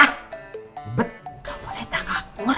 gak boleh dah kapur